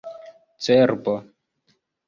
cerbo